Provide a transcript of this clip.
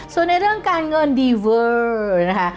ส่วนในเรื่องการเงินดีเวอร์นะคะ